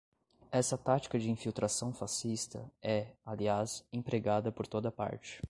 Essa tática de infiltração fascista é, aliás, empregada por toda parte